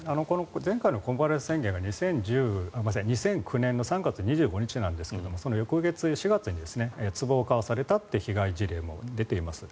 前回のコンプライアンス宣言が２００９年の３月なんですがその翌月、４月につぼを買わされたという被害事例も出ています。